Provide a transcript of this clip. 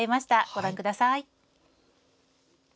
ご覧ください。